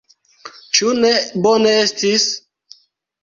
Ĉu ne bone estis?